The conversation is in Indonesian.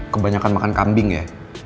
kebanyakan makan kambing ya